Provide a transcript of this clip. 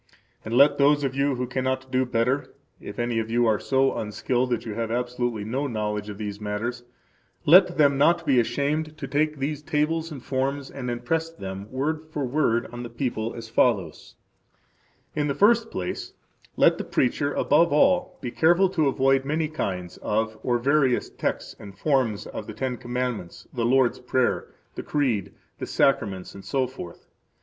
And let those of you who cannot do better [If any of you are so unskilled that you have absolutely no knowledge of these matters, let them not be ashamed to] take these tables and forms and impress them, word for word, on the people, as follows:– In the first place, let the preacher above all be careful to avoid many kinds of or various texts and forms of the Ten Commandments, the Lord's Prayer, the Creed, the Sacraments, etc.